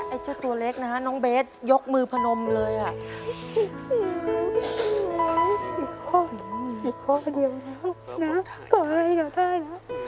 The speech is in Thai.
เจ้าตัวเล็กนะฮะน้องเบสยกมือพนมเลยอ่ะ